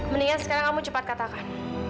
mendingan sekarang kamu cepat katakan